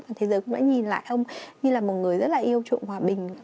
mà thế giới cũng đã nhìn lại ông như là một người rất là yêu trụng hòa bình